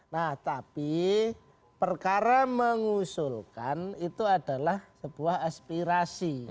nah tapi perkara mengusulkan itu adalah sebuah aspirasi